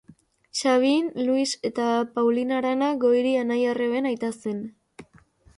Sabin, Luis eta Paulina Arana Goiri anai-arreben aita zen.